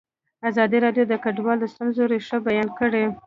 ازادي راډیو د کډوال د ستونزو رېښه بیان کړې.